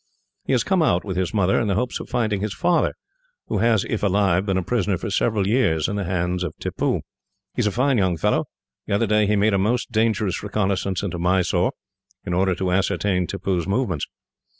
He has come out, with his mother, in the hopes of finding his father, who has, if alive, been a prisoner for several years in the hands of Tippoo. "He is a fine young fellow. The other day, he made a most dangerous reconnaissance into Mysore, in order to ascertain Tippoo's movements.